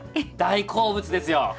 大好物ですよ。